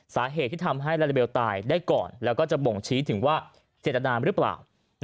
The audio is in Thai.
สาเหตุที่ทำให้ลาลาเบลตายได้ก่อนแล้วก็จะบ่งชี้ถึงว่าเจตนาหรือเปล่า